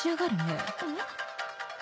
えっ？